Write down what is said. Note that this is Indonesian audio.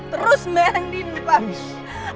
terus bandin pak